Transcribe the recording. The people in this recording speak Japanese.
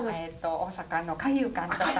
大阪の海遊館とか。